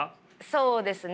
そうですね。